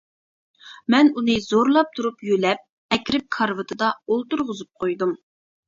مەن ئۇنى زورلاپ تۇرۇپ يۆلەپ، ئەكىرىپ كارىۋىتىدا ئولتۇرغۇزۇپ قويدۇم.